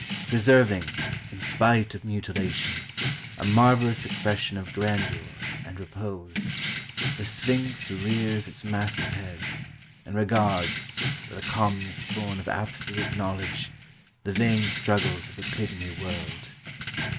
Preserving, in spite of mutilation, a marvelous expression of grandeur and repose, the Sphinx rears its massive head, and regards, with a calmness born of absolute knowledge, the vain struggles of a pygmy world.